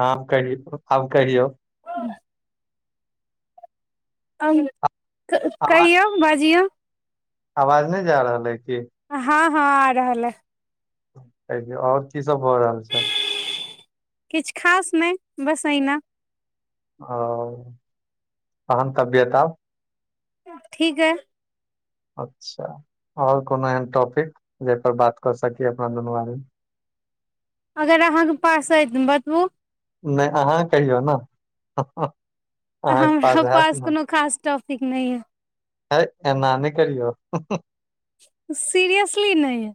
हाँ कहि आब कहिओ [inaudible] आवाज कहियौ बाजियौ आवाज नहिं जा रहल है की हाँ हाँ आ रहल है आओर की सब भऽ रहल छै किछ खास नहि बस एहिना ओ अहन तबियत आउ ठीक ये अच्छा आओर कोनो एहन टॉपिक जाहिपर बात कऽ सकी अपना दुनू आद अगर अहाँ के पास हेत तऽ बतबु नहि अहाँ कहियौ ने अहाँके हमरा हैत पास कोनो खास टॉपिक नहि यए हे एना नहि करियौ सीरियसली नहि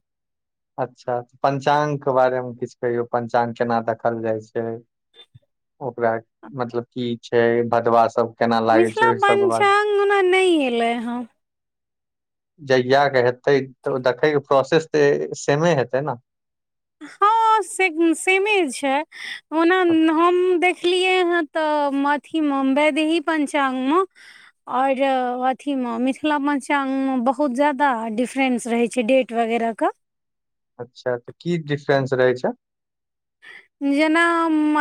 अच्छा पंचांग के बारे मे किछु कहियौ पंचा्ग केना देखल जाई छै ओकरा मतलब की छै भदवा सब केना लागे छै ओहि सब के बाद अंगना नहि एलै हँ जहिय के हेतै तऽ देखैके प्रोसेस तऽ सेमे हेतै ने हाँ से सेमे छै ओना हम देख देखलियै हँ तऽ मथी में बेदहि पंचांग में और अथी में मिथिला मंचागं में बहुत जादा डिफरेंस रहे छै डेट वगैरह का अच्छा तऽ की डिफ्रेंस रहै छै जेना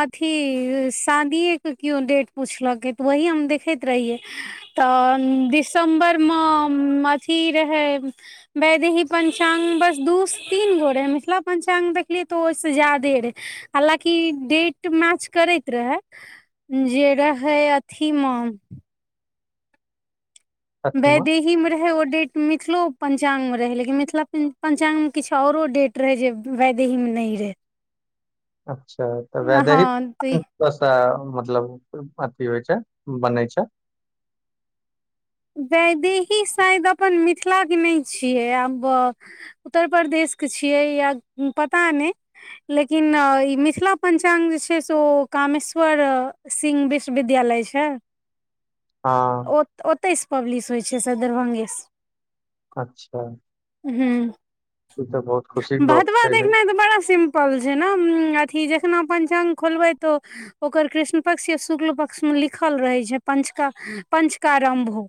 अथी शादीए के केओ डेट पुछलक ओहि हम देखैत रहियै तऽ दिसम्बरमे अथी रहै वैदही पंचांग मे बस दू तीन गो रहे मिथिला पंचांग देखलिये तो ओहिस ज्यादे रहे हालाँ की डेट मैच करैत रहै जे रहै अथीमे अथीमे बेदीह में रहे ओ डेट मिथिलो पंचांग में रहे लेकिन मिथिला पंचांग में किछु औरो डेट वेदैहि में नै रहे अच्छा तऽ वैद हँ तऽ सा मतलब अथी होइ छै बनै छै वैदेही शायद अपन मिथिला के नहि छियै आब बऽ उत्तर प्रदेशके छियै या पता नहि लेकिन ई मिथिला पञ्चाङ्ग जे छै से ओ कामेश्वर सिंह विश्वविद्यालय छै हँ ओतहि सँ पब्लिश होई छै दरभंगे सँ अच्छा ह ई तऽ बहुत खुशी के गप भदवा छै रे देखना तऽ बड़ा सिम पल छै ने अथी जखना पञ्चाङ्ग खोलबै तऽ ओकर कृष्ण पक्ष या शुक्ल पक्ष में लिखल रहे छै पंचका पंचकारंभऽ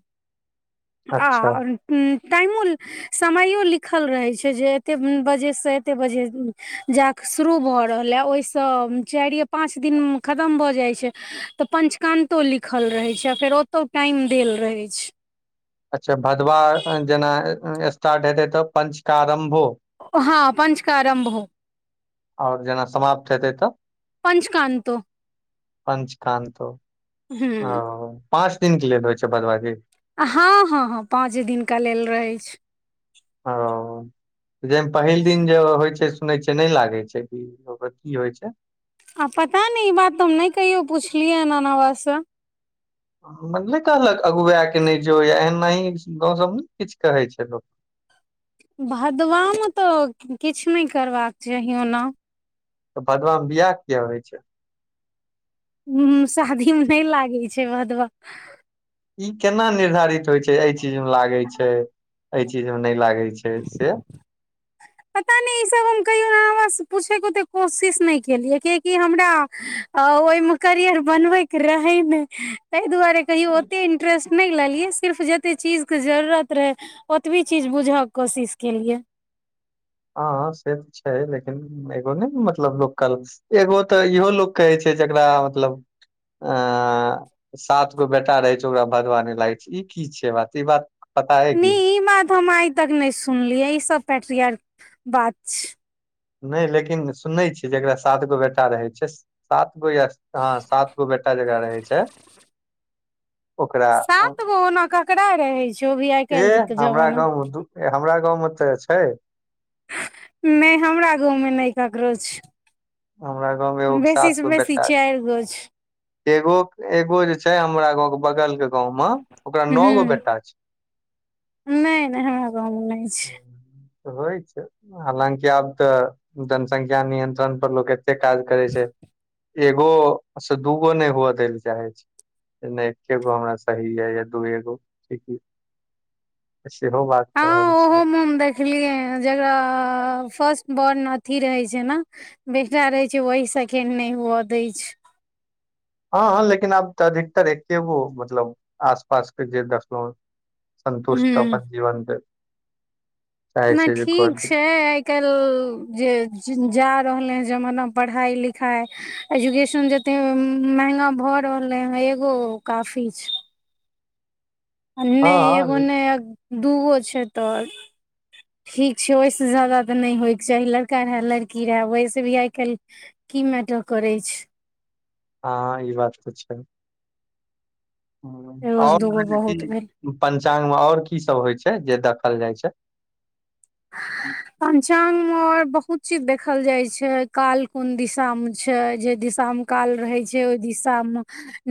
आ अच्छा ओ टामयो समयो लिखल रहैत छै जे एते बजे सँ एते बजे जाएऽ शुरू भऽ रहलए ओहि सँ चारि ये पाँच दिन खतम भऽ जाइत छै तऽ पंचका्तो लिखल रहैत छै आ फेर ओतौ टाइम देल रहैत छै अच्छा भदवाह जेना स्टार्ट हेतै तऽ पञ्चकारम्भो हाँ पंच कऽ रम्भो आओर जेना समाप्त हेतै तऽ पंचकान्तो पञ्चका्त हूँ हाँ पाँच दिन के लेल होइ छै भदबा की हँ हँ हँ पाँच दिनका लेल रहैत हा आ जाहिमे पहिल दिन जे होइ छै सुनै छै नहि लागै छै ओ की होइ छै आ पता नहि ई बात तऽ हम नहि कहियौ पुछलियै एना एनावा सँ नहि कहलक अगुआए के नहि जो या एनाही गाँव सब में ने किछु कहै छै लोक भदवा में तऽ किछु नहि करबाक चाही ओना तऽ भदवामे बियाह किये होइ छै हु शादी में नहि लागै छै भादवा ई केना निर्धारित होइ छै एहि चीज मे लागे छै एहि चीज में नहि लागै छै से पता नहि ई सभ हम कहियो‌ सँ पूछय के ओते कोशिश नहि केलियै किया कि हमरा ओहि मे करियर बनवे के रहे ने ताहि दुआरे कहियो ओते इंटरेस्ट नहि लेलियै सिर्फ जते चीज के जरुरत रहे ओतबी चीज बुझय के कोशिश केलियै हाँ से तऽ छै लेकिन एगो नहि ने मतलब लोक एगो तऽ इहो लोक कहै छै जकरा मतलब अऽ सात गो बेटा रहै छै ओकरा भदवा नहि लागै छै ई की छै बात ई बात पता अइ नी की ई बात हम आइ तक नहि सुनलियै ई सब पेट्रियार बात छै नहि लेकिन सुनै छियै जेकरा सात गो बेटा रहै छै सात गो या हँ सात गो बेटा जकरा रहै छै ओकरा सात गो ओना ककरा रहै छै ओ भी आइ काल्हि ऐह के हमरा जमाना गाँंव मे दु ए हमरा गाँंव मे तऽ छै नहि हमरा गाँवमे नहि ककरो छै हमरा गाँवमे एगोके बेसी सात से गो बेसी बेटा छै चारि गो छै एगो एगो जे छै हमरा गाँंव के बगल के गाँव मे ओकरा नओ गो हूँ बेटा छै नहि नहि हमरा गाँवमे नहि छै होइ छै हालाँकि आब तऽ जनसंख्या नियंत्रण पर लोक काज करै छै एगो से दूगो नहि हुअ दै लऽ चाहै छै नहि एके गो हमरा सही या दूए गो सेहो बात कहे रहल छै फि [unintelligible] जकरा फर्स्ट बॉर्न अथी रहै छै ने बेटा रहै छै वही सेकेंड नहि हुअ दै छै हाँ हाँ लेकिन आब तऽ अधिकतर एके गो मतलब आस पास के जे दसलो संन्तुष्ट हूँ अपन जीवन चाहै ओना छै जे ठीक खोजी छै आइ काल्हि जे जा रहलै हइ जमाना पढ़ाइ लिखाइ एजुकेशन जते महंगा भऽ रहले ह एगो काफी छै आ नेय एगो हँ नहि दूगो छै तऽ ठीक छै ओहिसँ जा्यदा तऽ नहि होयके चाही लड़का रहए लड़की रहए वहिस भी आइ काल्हि की मेटर करै छै हँ ई बात तऽ छै एगो सँ और दूगो बहुत भेल पंचांगमे और की सब होइ छै जे देखल जाइ छै [inaudible] पंचांग मे आओर बहुत चीज देखल जाय छै काल कोन दिशामे छै जे दिशा मे काल रहै छै ओहि दिशा मे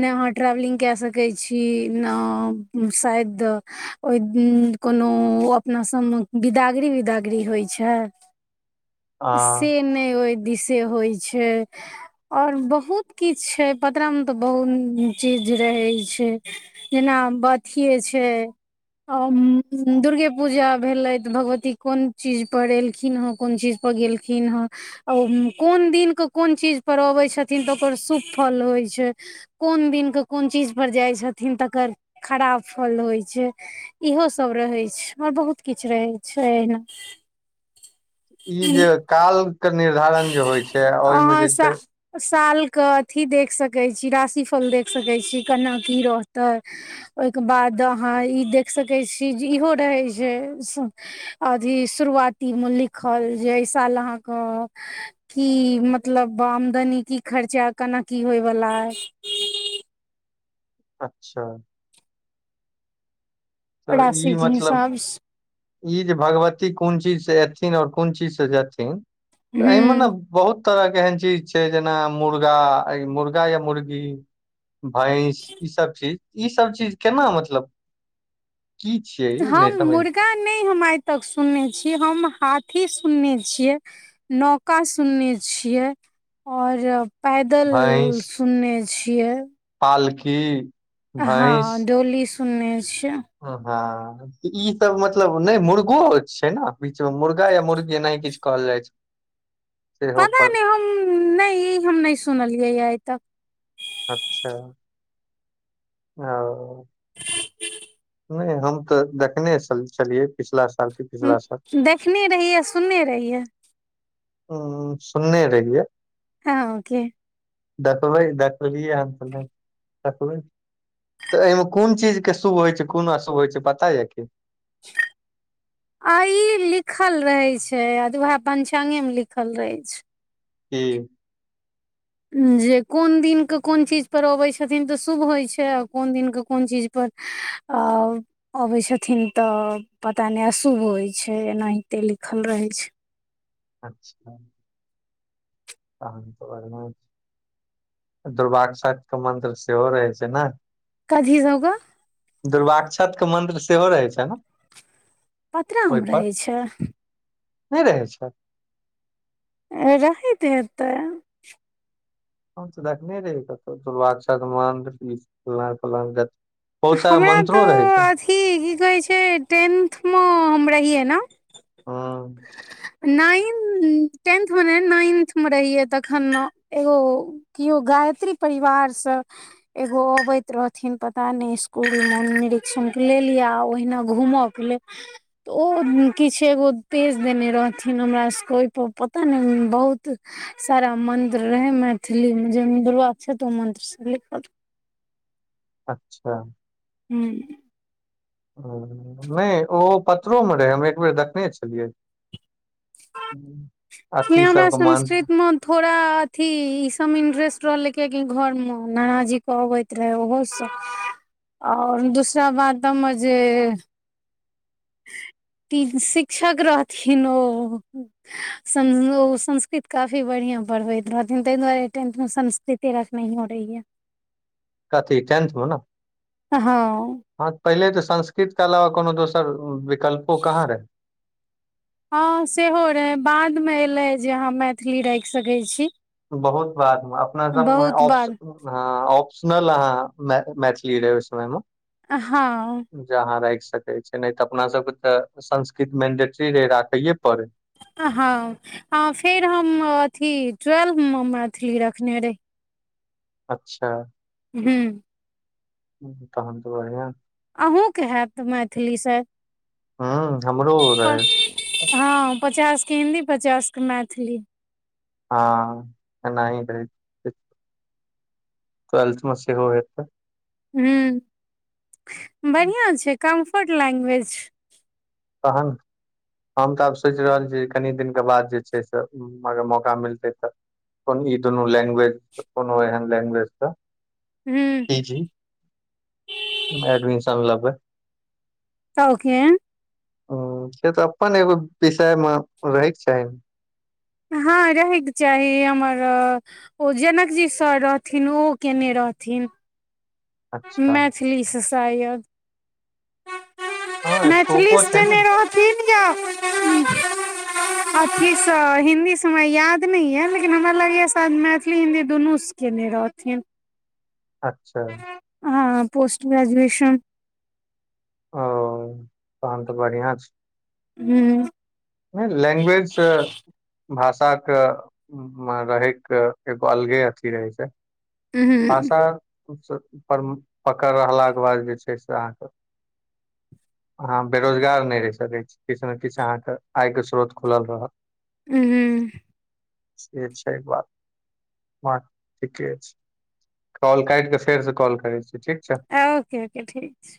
नहि अहाँ ट्रेवलिंग कए सकै छी न शायद ओहि कोनो ओ अपना सब मे बिदा डेली बिदागरी होइ छै आ से नै ओहि दिसे होई छै और बहुत किछु छै पतड़ा मे तऽ बहुत चीज रहै छै जेना अथीए छै दुर्गे पूजा भेलै तऽ भगवती बत्ती कोन चीजपर एलखिन हँ कोन चीजपर गेलखिन हँ और कोन दिनके कोन चीजपर अबैत छथिन तऽ ओकर शुभ फल होइ छै कोन दिन के कोन चीज पर जाय छथिन तकर खराब फल होइ छै इहो सब रहै छै आर बहुत किछ रहै छै एहिना ई जे काल के निर्धारण जे होइ छै आ ओहि मे अहाँ जे सा सालके अथी देख सकैत छी राशि फल देख सकैत छी केना की रहतै ओहिके बाद अहाँ ई देख सकैत छी जे इहो रहै छै अथी शुरुआतीमे लिखल जे एहि साल अहाँके की मतलब आमदनी की खर्चा केना की होयवला अय अच्छा तऽ ई राशि के मतलब हिसाब से ई जे भगवती कोन चीजसँ एथिन आ कोन चीजसँ जेथिन तऽ एहिमे ने हूँ बहुत तरह के एहन चीज छै जेना मुर्गा मुर्गा या मुर्गी भैंस ई सब चीज ई सब चीज केना मतलब की छियै ई हम नहि समझ मुर्गा नहि हम आई तक सुनने छियै हम हाथी सुनने छियै नौका सुनने छियै आओर पैदल सुनने छियै पालखी हँ डोली सुनने छियै ह हँ ऽ ई सब मतलब नहि मुर्गो होत छै ने बीच मे मुर्गा या मुर्गी किछु कहल जाई छै सेहो पता पर नहि नहि ई हम नहि सुनलियै यऽ आइ तक अच्छा ओ ह नहि हम तऽ देखने छलियै पिछला साल के पिछला साल देखने रहियै सुनने रहियै उ सुनने रहियै हँ ओके देख भै देखलीएन आ तऽ नै तऽ एहिमे कोन चीज के शुभ होइ छै कोन अशुभ होइ छै पता य की आ इ लिखल रहे छै आ द उएह पं्चांगे मे लिखल रहे छै ह जे कोन दिन के कोन चीज पर अबै छथिन तऽ शुभ होइ छै आ कोन दिन के कोन चीज पर आओ अबैत छथिन तऽ पता नहि अशुभ होइत छै एनाहिते लिखल रहैत छै अच्छा तहन तऽ बढ़मे [unintelligible] दुर्भा कस के मंत्र सेहो रहै छै ने कधीजउगा [unintelligible] दुर्वाक्षत के मन्त्र सेहो रहैत छै ने पतरामे ओहिपर रहै छै नहि रहै छै रहत हे तै हम तऽ देखने रे कहु दुर्ाक्षत मन्दग हमरा तऽ अथी की कहै छै टेंथमे हम रहियै ने हाँ टेंथमेने नाइन्थ मे रहियै तखन एगो केओ गायत्री परिवारसँ एगो अबैत रहथिन पता ने स्कूल मेन निर्षण के लेले लिये ओहिना घूमब तऽ ओ किछ एगो पेज देने रहथिन हमरा सबके ओहिपर पता नहि बहुत सारा मंत्र रहे मैथिली मे जे दुरवा अक्षतो ओ मंत्र से अच्छा हू ह नहि ओ पथरो मे रहै हम एक बेर देखने छलियै इसलिए अथी हमरा सबके मान संस्कृत मे थोड़ा अथी इ सब मे इंट्रेस्ट रहले के की घर मे नान जी कहबे रहे ओहो सब ओर दूसरा बातमे जे ती शिक्षक रहथिन ओ ओ संस्कृत काफी बढ़िया पढ़बैत रहथिन ताहि दुआरे टेंथ मे संस्कृत तेरह से नहियो रहीयै कथी टेंथ मे ने हँ हँ पहिले तऽ संस्कृत के अलावा कोनो दोसर विकल्पो कहाँ रहे हँ सेहो रहै बादमे एलै जे अहाँ मैथिली राखि सकैत छी बहुत बादमे अपना बहुत सबमेऑप्श बाद हँ ऑप्शनल अहाँ मैथिली रह समयमे हँ जहााँ राखि सकै छै नहि तऽ अपना सबके तऽ संस्कृत मेंडेटरी रहे राखैे पड़े हँ फेर हम अथी ट्वेल्व मे मैथिली रखने रहे अच्छा हू तहन तऽ बढ़िया अहूँके हैत मैथिलीसँ हु हमरो ओ रहे हँ पचासके हिन्दी पचास के मैथिली हँ एना टेल्थ मे सेहो हेतै ह बढ़िआ छै कम्फर्ट लैंग्वेज तहन हम तऽ आब सोचि रहल छीै कनि दिनके बाद जे छै से अगर मौका मिलतै तऽ को ई दुनू लैंग्वेज कोनो एहन लैंग्वेज तऽ हूँ पी जी एडमिशन लबै तौके ह से तऽ अपन एगो विषय मे रहैके चाही हँ रहयके चाही हमर ओ जनकजी सर रहथिन ओ केने रहथिन अच्छा मैथिली से शायद हँ मैथिली स्कोपो छै ने से रह तिन गो अथीसँ हिन्दीसँ हमरा याद नहि यऽ लेकिन हमरा लगैए मैथिली हिन्दी दुनू केने रहथिन अच्छा हँ पोस्ट ग्राजुएशन ओ तहन तऽ बढ़िआँ छै ह्म नहि लैंग्वेजसँ भाषाके रहैके एगो अलगे अथी रहै छै हूँ भाषा पर पकड़ रहलाके बाद जे छै से अहाँके अहाँ बेरोजगार नहि रहि सकैत छी किछ ने किछ अहाँके आय के स्रोत खुलल रह ह ह से छै एक बात ब ठीके छै कॉल काट कऽ फेर से कॉल करै छीै ठीक छै ओकेे ओके ठीक छै